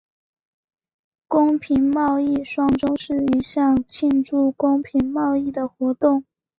公平贸易双周是一项庆祝公平贸易的活动。